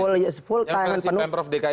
yang berhasil member of dki tengku